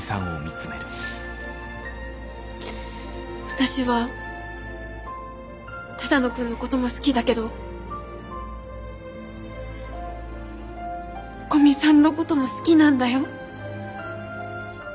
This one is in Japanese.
私は只野くんのことも好きだけど古見さんのことも好きなんだよ。